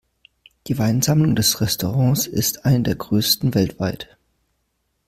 Die Weinsammlung des Restaurants ist eine der größten weltweit.